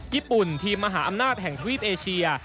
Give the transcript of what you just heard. ญี่ปุ่นทีมมหาอำนาจแห่งทวีปเอเชีย